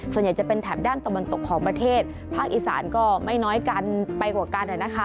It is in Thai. ส่วนใหญ่จะเป็นแถบด้านตะวันตกของประเทศภาคอีสานก็ไม่น้อยกันไปกว่ากัน